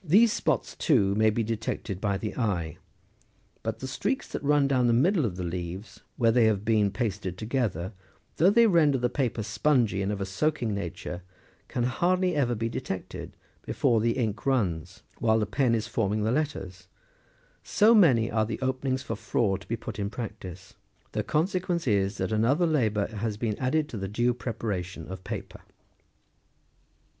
191 spots, too, may be detected by the eye ; but the streaks that run down the middle of the leaves where they have been pasted together, though they render the paper spongy and of a soaking nature, can hardly ever be detected before the ink runs, while the pen is forming the letters ; so many are the openings for fraud to be put in practice. The consequence is, that another labour has been added to the due preparation of paper.